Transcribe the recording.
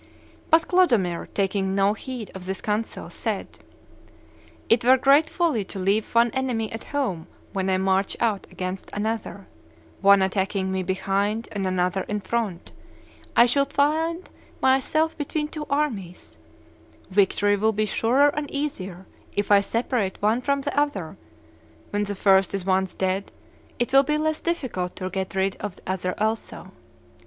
But Clodomir, taking no heed of this counsel, said, 'It were great folly to leave one enemy at home when I march out against another; one attacking me behind and another in front, I should find myself between two armies: victory will be surer and easier if I separate one from the other; when the first is once dead, it will be less difficult to get rid of the other also.